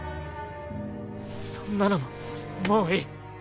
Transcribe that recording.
そんなのももういい。